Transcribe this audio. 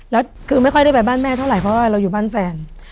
แล้วคือไม่ค่อยได้ไปบ้านแม่เท่าไหร่เพราะว่าเราอยู่บ้านแฟน